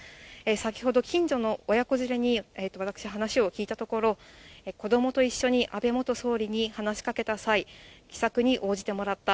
先ほど近所の親子連れに私、話を聞いたところ、子どもと一緒に安倍元総理に話しかけた際、気さくに応じてもらった。